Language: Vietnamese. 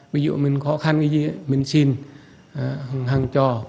ví dụ mình khó khăn cái gì mình xin hàng trò